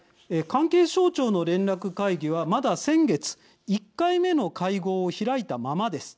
関係省庁の連絡会議はまだ先月、１回目の会合を開いたままです。